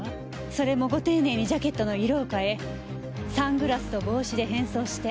それもご丁寧にジャケットの色を変えサングラスと帽子で変装して。